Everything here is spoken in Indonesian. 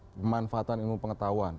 pemanfaatan ilmu pengetahuan